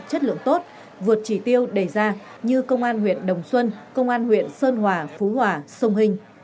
chất lượng tốt vượt chỉ tiêu đề ra như công an huyện đồng xuân công an huyện sơn hòa phú hòa sông hình